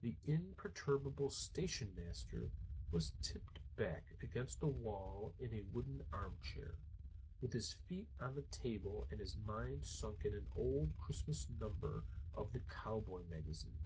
The imperturbable station master was tipped back against the wall in a wooden armchair, with his feet on the table, and his mind sunk in an old Christmas number of the Cowboy Magazine.